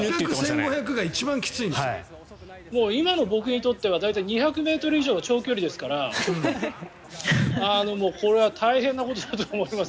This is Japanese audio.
今の僕にとっては２００ｍ以上は長距離ですからこれは大変なことだと思います。